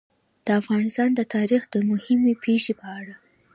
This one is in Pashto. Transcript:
د افغانستان د تاریخ د مهمې پېښې په اړه.